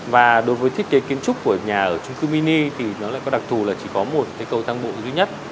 và đối với thiết kế kiến trúc của nhà ở trung cư mini thì nó lại có đặc thù là chỉ có một cái cầu thang bộ duy nhất